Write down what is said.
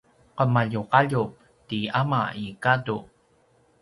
qemaljuqaljup ti ama i gadu